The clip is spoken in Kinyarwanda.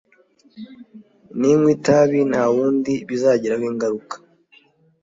ninywa itabi nta wundi bizagiraho ingaruka